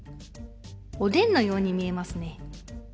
おでんのように見えますね。